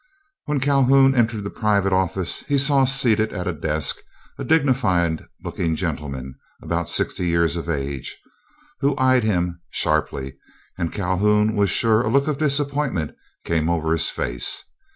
When Calhoun entered the private office he saw seated at a desk a dignified looking gentleman about sixty years of age, who eyed him sharply, and Calhoun was sure a look of disappointment came over his face.